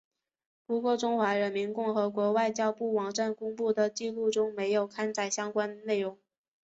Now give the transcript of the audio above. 不过中华人民共和国外交部网站公布的记录中没有刊载相关内容。